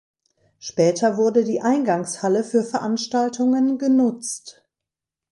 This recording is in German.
Später wurde die Eingangshalle für Veranstaltungen genutzt.